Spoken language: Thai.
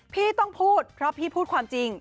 พี่ต้องพูดเพราะพี่พูดความจริง